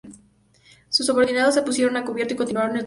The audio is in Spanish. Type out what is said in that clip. Sus subordinados se pusieron a cubierto y continuaron el combate.